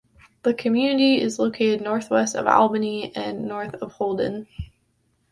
The community is located northwest of Albany and north of Holden.